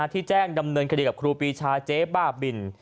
ที่แจ้งดำเนินคดีกับครูปีชาเจ๊บ้าบิน